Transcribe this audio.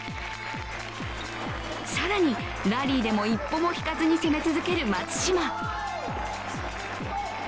更に、ラリーでも一歩も引かずに攻め続ける松島。